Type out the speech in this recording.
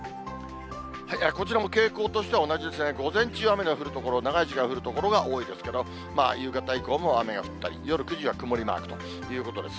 こちらも傾向としては同じですね、午前中、雨の降る所、長い時間降る所が多いですけど、夕方以降も雨が降ったり、夜９時は曇りマークということです。